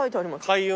開運。